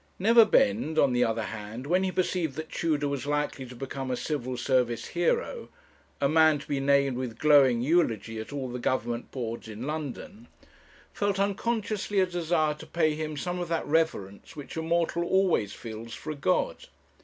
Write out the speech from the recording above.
Neverbend, on the other hand, when he perceived that Tudor was likely to become a Civil Service hero, a man to be named with glowing eulogy at all the Government Boards in London, felt unconsciously a desire to pay him some of that reverence which a mortal always feels for a god.